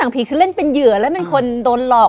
และยินดีต้อนรับทุกท่านเข้าสู่เดือนพฤษภาคมครับ